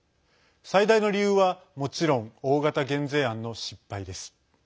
最大の理由はもちろん大型減税案の失敗です。